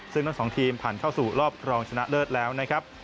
ซึ่งทั้งสองทีมผ่านเข้าสู่รอบรองชนะเลิศแล้วนะครับ